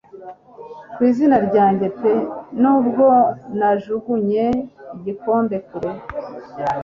ku izina ryanjye pe nubwo najugunye igikombe kure -